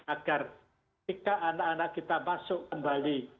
agar ketika anak anak kita masuk kembali